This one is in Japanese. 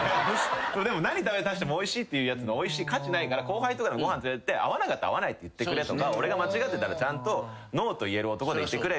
何食べさせてもおいしいって言うやつのおいしい価値ないから後輩とかご飯連れてって合わなかったら合わないって言ってくれとか俺が間違ってたらちゃんとＮＯと言える男でいてくれよって。